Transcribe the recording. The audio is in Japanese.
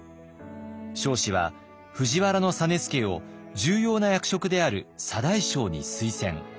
彰子は藤原実資を重要な役職である左大将に推薦。